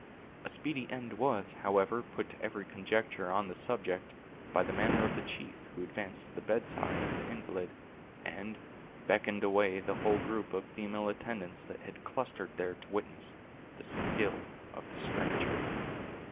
A speedy end was, however, put to every conjecture on the subject, by the manner of the chief, who advanced to the bedside of the invalid, and beckoned away the whole group of female attendants that had clustered there to witness the skill of the stranger.